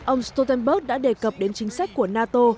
ông stoltenberg đã đề cập đến chính sách của nato